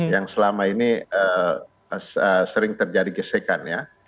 yang selama ini sering terjadi gesekan ya